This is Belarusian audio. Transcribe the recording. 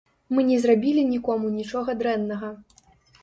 Мы не зрабілі нікому нічога дрэннага.